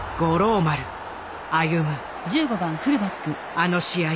あの試合